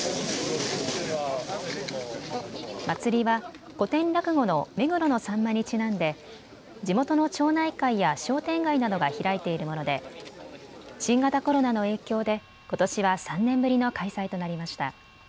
祭りは古典落語の目黒のさんまにちなんで地元の町内会や商店街などが開いているもので新型コロナの影響でことしは３年ぶりの開催となりました。